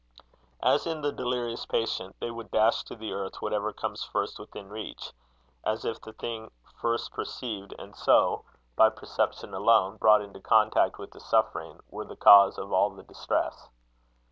As in the delirious patient, they would dash to the earth whatever comes first within reach, as if the thing first perceived, and so (by perception alone) brought into contact with the suffering, were the cause of all the distress.